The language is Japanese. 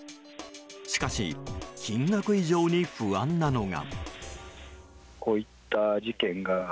しかし、金額以上に不安なのが。